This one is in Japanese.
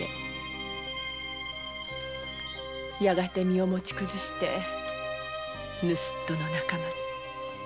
やがて身を持ちくずして盗っ人の仲間に。